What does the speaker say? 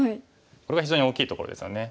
これが非常に大きいところですよね。